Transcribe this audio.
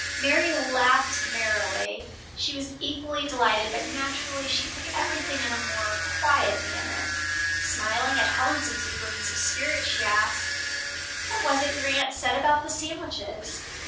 Mary laughed merrily. She was equally delighted but naturally she took everything in a more quiet manner. Smiling at Helen's exuberance of spirit, she asked, "What was it your aunt said about the sandwiches?"